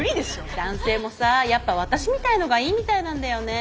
男性もさやっぱ私みたいのがいいみたいなんだよね。